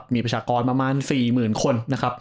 มีประชากรประมาณ๔หมื่นคน